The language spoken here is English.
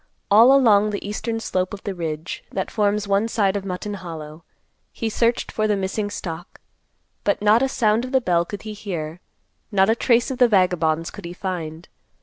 All along the eastern slope of the ridge, that forms one side of Mutton Hollow, he searched for the missing stock, but not a sound of the bell could he hear; not a trace of the vagabonds could he find.